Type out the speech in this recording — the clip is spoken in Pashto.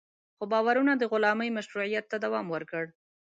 خو باورونه د غلامۍ مشروعیت ته دوام ورکړ.